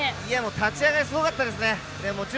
立ち上がりすごかったです。